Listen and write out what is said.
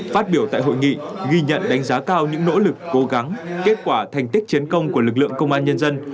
phát biểu tại hội nghị ghi nhận đánh giá cao những nỗ lực cố gắng kết quả thành tích chiến công của lực lượng công an nhân dân